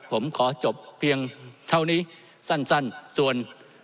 ผมขอจบเพียงเท่านี้สั้นส่วน